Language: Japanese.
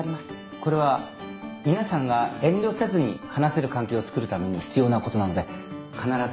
これは皆さんが遠慮せずに話せる環境をつくるために必要なことなので必ずお守りください。